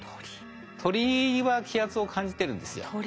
鳥は気圧を感じてるんですよ。